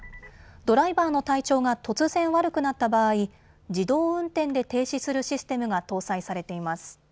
ドライバーの体調が突然悪くなった場合、自動運転で停止するシステムが搭載されています。